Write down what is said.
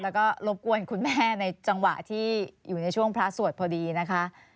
แล้วก็รบกวนคุณแม่ในจังหวะที่อยู่ในช่วงพระสวดพอดีนะคะ